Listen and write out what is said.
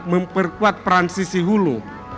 memperkuat peran sisi hulu